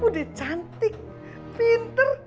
udah cantik pinter